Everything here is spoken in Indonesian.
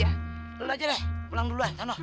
udah deh pulang dulu lah